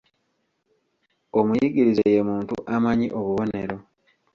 Omuyigirize ye muntu amanyi obubonero.